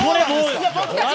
僕たち